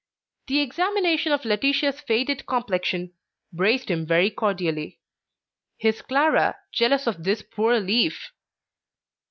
An examination of Laetitia's faded complexion braced him very cordially. His Clara, jealous of this poor leaf!